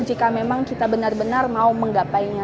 jika memang kita benar benar mau menggapainya